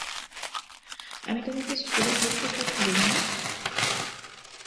আমি তোমাকে স্কুলে ভর্তির কথা বলিনি?